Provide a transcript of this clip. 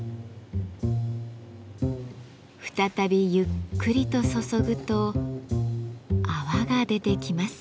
再びゆっくりと注ぐと泡が出てきます。